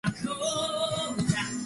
A gold finish kit was added.